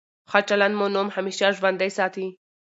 ښه چلند مو نوم همېشه ژوندی ساتي.